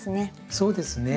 そうですね。